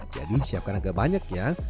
jadi siapkan agak banyak ya